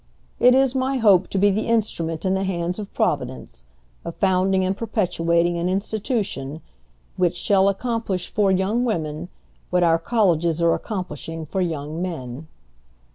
"It is my hope to be the instrument in the hands of Providence, of founding and perpetuating an institution which shall accomplish for young women what our colleges are accomplishing for young men."